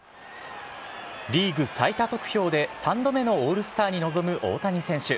リーグ最多得票で３度目のオールスターに臨む大谷選手。